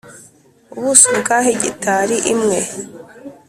Ubuso bwa hegitari imwe